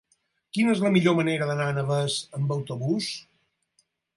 Quina és la millor manera d'anar a Navès amb autobús?